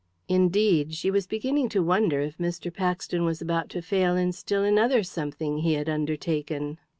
Indeed, she was beginning to wonder if Mr. Paxton was about to fail in still another something he had undertaken.